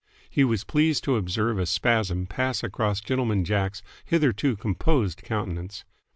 He was pleased to observe a spasm pass across Gentleman Jack's hitherto composed countenance.